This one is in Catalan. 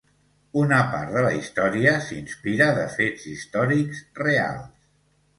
Una part de la història s'inspira de fets històrics reals.